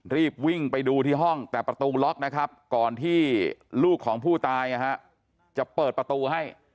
รีบวิ่งไปดูที่ห้องแต่ประตูล็อกนะครับก่อนที่ลูกของผู้ตายจะเปิดประตูให้